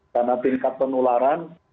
karena tingkat penularan